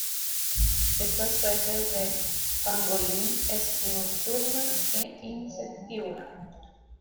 Esta especie de pangolín es nocturna e insectívora.